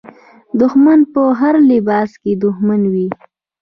دښمن په هر لباس کې دښمن وي.